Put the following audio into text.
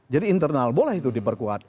jadi internal boleh itu diperkuat